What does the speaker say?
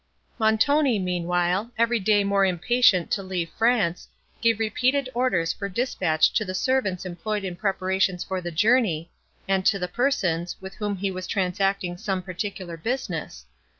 Montoni, meanwhile, every day more impatient to leave France, gave repeated orders for dispatch to the servants employed in preparations for the journey, and to the persons, with whom he was transacting some particular business.